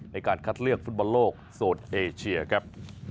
ในการคัดเลือกฟุตบอลโลกโซนเอเชียครับ